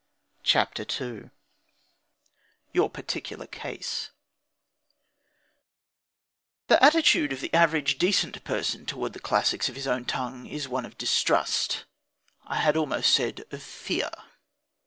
CHAPTER II YOUR PARTICULAR CASE The attitude of the average decent person towards the classics of his own tongue is one of distrust I had almost said, of fear.